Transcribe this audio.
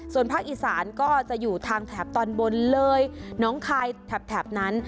ส่วนภาคอีสานก็จะอยู่ทางแถบตอนบนเลยน้องคายแถบนั้น